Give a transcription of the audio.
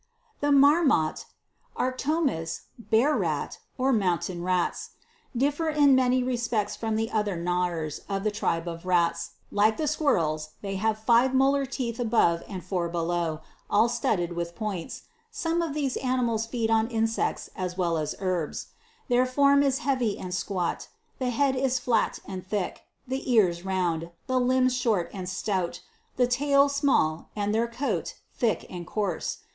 27. The Marmots Arctomys, (bear rat,) or mountain rats, (Plate 4, /?</. 9.) differ in many respects from the other gnawers of the tribe of rats ; like the squirrels, they have five molar teeth above and four below, all studded with points ; some of these animals feed on insects as well as herbs. Their form is heavy and squat ; the head is flat and thick, the ears round, the limbs short and stout, the tail small, and their coat thick and coarse.